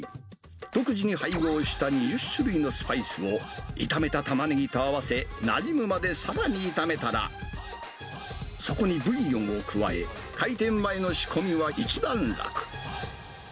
独自に配合した２０種類のスパイスを炒めたタマネギと合わせ、なじむまでさらに炒めたら、そこにブイヨンを加え、開店前の仕込みは一段落。